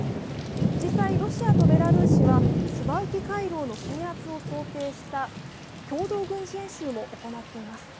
実際、ロシアとベラルーシはスバウキ回廊の制圧を想定した共同軍事演習も行っています。